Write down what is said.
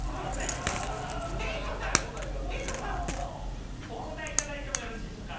瑛人さん、お答えいただいてもよろしいでしょうか？